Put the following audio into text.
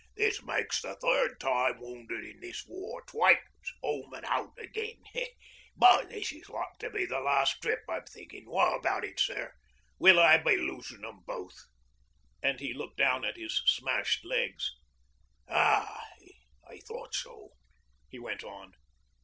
'This makes the third time wounded in this war twice 'ome an' out again. But this is like to be the last trip I'm thinkin'. Wot about it, sir? Will I be losin' 'em both?' And he looked down at his smashed legs. 'Ah, I thought so,' he went on.